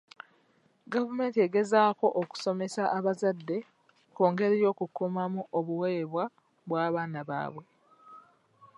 Gavumenti egezaako okusomesa abazadde ku ngeri y'okukuumamu obuweebwa bw'abaana baabwe.